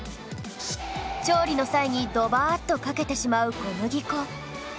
調理の際にドバーッとかけてしまう小麦粉